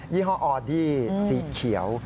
ี่ห้ออดี้สีเขียว